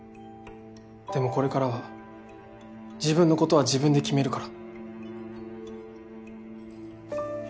でもこれからは自分の事は自分で決めるから。